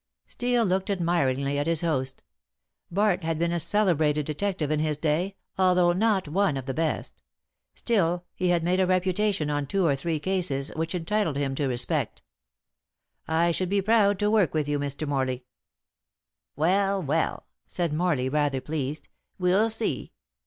Steel looked admiringly at his host. Bart had been a celebrated detective in his day, although not one of the best. Still, he had made a reputation on two or three cases, which entitled him to respect. "I should be proud to work with you, Mr. Morley." "Well, well," said Morley, rather pleased, "we'll see.